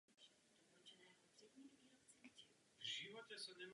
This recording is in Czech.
Odvedl výbornou práci.